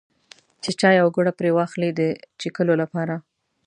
چې چای او ګوړه پرې واخلي د څښلو لپاره.